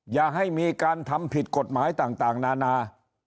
อย่าให้มีการทำผิดกฎหมายต่างนานา